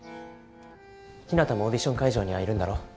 ひなたもオーディション会場にはいるんだろ？